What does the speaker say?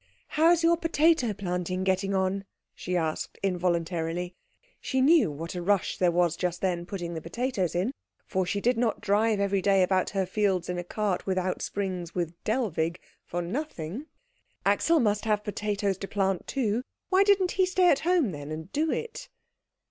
"How is your potato planting getting on?" she asked involuntarily. She knew what a rush there was just then putting the potatoes in, for she did not drive every day about her fields in a cart without springs with Dellwig for nothing. Axel must have potatoes to plant too; why didn't he stay at home, then, and do it?